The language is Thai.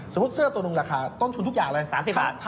สมมุติเสื้อตัวหนึ่งราคาต้นทุนทุกอย่างเลยสามสิบบาท